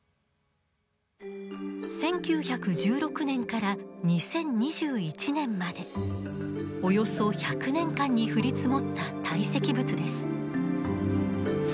１９１６年から２０２１年までおよそ１００年間に降り積もった堆積物です。